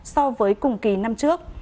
so với cùng kỳ năm trước